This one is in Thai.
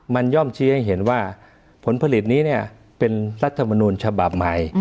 มันย่อมชี้ให้เห็นว่าผลผลิตนี้เป็นรัฐมนูลฉบับใหม่